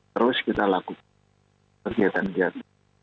terus kita lakukan kegiatan kegiatan